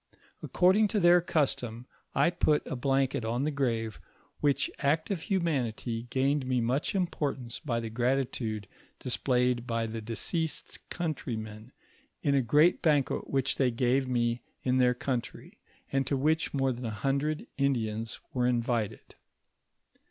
According to their cnstom, I put a blanket on the grave, which act of humanity gained me mnch importance by the gratitude displayed by the deceased's countrymen, in a great banquet which they gave me in their country, and to which more than a hundred Indians were invited.